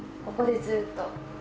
ここでずっと。